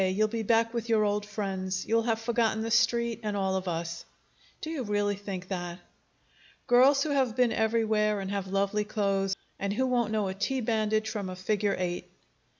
You'll be back with your old friends. You'll have forgotten the Street and all of us." "Do you really think that?" "Girls who have been everywhere, and have lovely clothes, and who won't know a T bandage from a figure eight!"